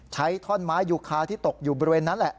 ท่อนไม้ยูคาที่ตกอยู่บริเวณนั้นแหละ